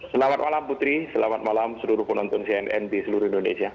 selamat malam putri selamat malam seluruh penonton cnn di seluruh indonesia